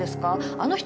あの人